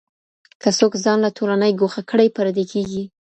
که څوک ځان له ټولني ګوښه کړي پردی کېږي.